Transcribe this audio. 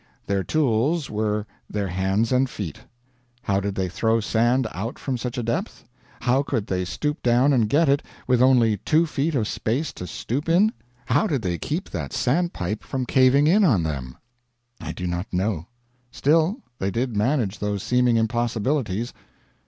Their tools were their hands and feet. How did they throw sand out from such a depth? How could they stoop down and get it, with only two feet of space to stoop in? How did they keep that sand pipe from caving in on them? I do not know. Still, they did manage those seeming impossibilities.